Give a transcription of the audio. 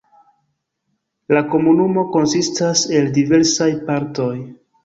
La komunumo konsistas el diversaj partoj.